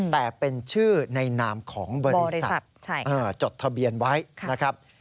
แต่เป็นชื่อในนามของบริษัทจดทะเบียนไว้นะครับ